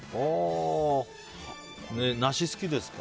ナシ、好きですか？